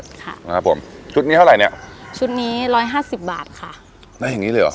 ค่ะนะครับผมชุดนี้เท่าไหร่เนี้ยชุดนี้ร้อยห้าสิบบาทค่ะแล้วอย่างงี้เลยเหรอ